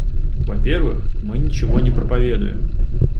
Во-первых, мы ничего не проповедуем!